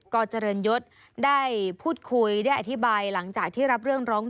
ก็เจริญยศได้พูดคุยได้อธิบายหลังจากที่รับเรื่องร้อง